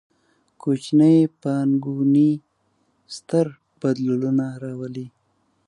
کوچنۍ پانګونې، ستر بدلونونه راولي